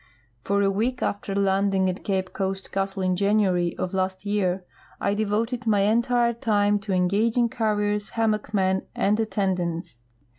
For a week after landing at Cape Coast Castle in January of last 3''ear, I devoted my entire time to en gaging carriers, hanimockmen, and attendants.